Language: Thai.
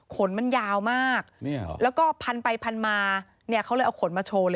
ขนมันยาวมากแล้วก็พันไปพันมาเนี่ยเขาเลยเอาขนมาโชว์เลย